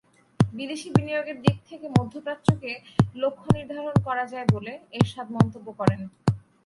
বিদেশি বিনিয়োগের দিক থেকে মধ্যপ্রাচ্যকে লক্ষ্য নির্ধারণ করা যায় বলে এরশাদ মন্তব্য করেন।